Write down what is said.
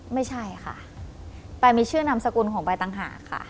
ไม่ใช่ค่ะแต่มีชื่อนำสกุลของใบตังหาค่ะ